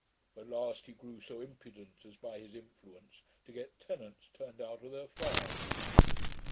At last he grew so impudent as by his influence to get tenants turned out of their farms.